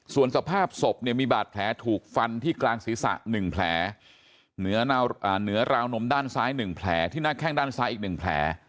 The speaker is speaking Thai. ส่วนสภาพศพเนี่ยมีบาดแผลถูกฟันที่กลางศีรษะ๑แผลเหนือราวนมด้านซ้าย๑แผลที่หน้าแข้งด้านซ้ายอีก๑แผล